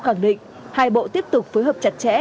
khẳng định hai bộ tiếp tục phối hợp chặt chẽ